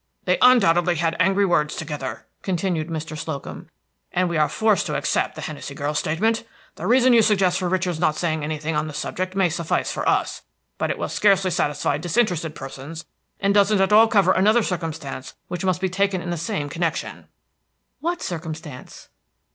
"They undoubtedly had angry words together," continued Mr. Slocum, "and we are forced to accept the Hennessey girl's statement. The reason you suggest for Richard's not saying anything on the subject may suffice for us, but it will scarcely satisfy disinterested persons, and doesn't at all cover another circumstance which must be taken in the same connection." "What circumstance?"